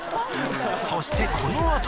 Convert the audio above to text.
そしてこのあと！